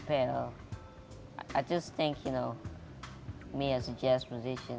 saya hanya berpikir saya sebagai musisi jazz